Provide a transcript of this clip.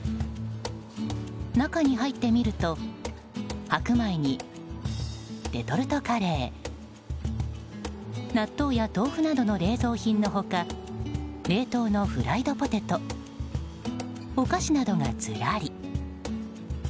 中に入ってみると白米にレトルトカレー納豆や豆腐などの冷蔵品の他冷凍のフライドポテトお菓子などがずらり。